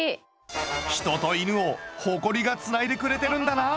ヒトと犬をホコリがつないでくれてるんだな！